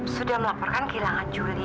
sudah melaporkan kehilangan juli